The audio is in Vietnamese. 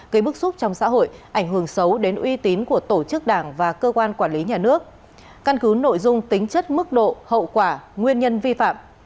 gây bức xúc trong xã hội ảnh hưởng xấu đến uy tín của tổ chức đảng và cơ quan quản lý nhà nước căn cứ nội dung tính chất mức độ hậu quả nguyên nhân vi phạm